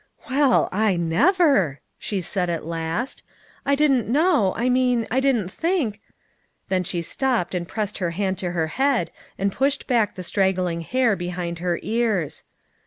" Well, I never !" she said at last. " I didn't know, I mean I didn't think " then she stopped and pressed her hand to her head, and pushed back the straggling hair behind her ears.